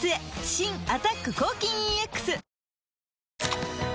新「アタック抗菌 ＥＸ」